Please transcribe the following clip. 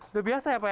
udah biasa ya pak